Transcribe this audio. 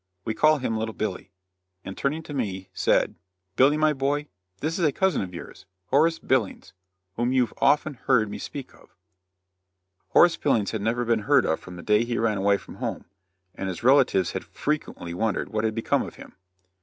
We call him little Billy;" and turning to me said: "Billy, my boy, this is a cousin of yours, Horace Billings, whom you've often heard me speak of." Horace Billings had never been heard of from the day he ran away from home, and his relatives had frequently wondered what had become of him.